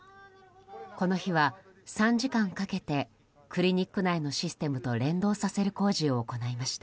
この日は、３時間かけてクリニック内のシステムと連動させる工事を行いました。